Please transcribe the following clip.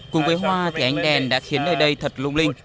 cùng với hoa thì ánh đèn đã khiến nơi đây thật lung linh